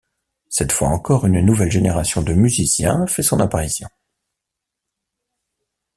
Cette fois encore, une nouvelle génération de musiciens fait son apparition.